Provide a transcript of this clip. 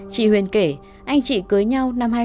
chị huyền kể anh chị cưới nhau năm hai nghìn tám